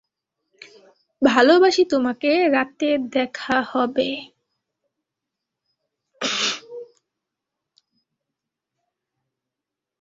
ভালোবাসি তোমাকে, রাতে দেখা হবে।